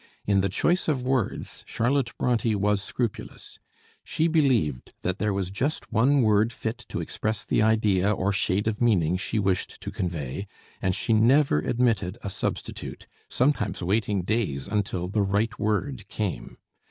In the choice of words Charlotte Bronté was scrupulous. She believed that there was just one word fit to express the idea or shade of meaning she wished to convey, and she never admitted a substitute, sometimes waiting days until the right word came.